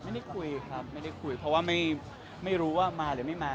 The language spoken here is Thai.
ไม่ได้คุยครับไม่ได้คุยเพราะว่าไม่รู้ว่ามาหรือไม่มา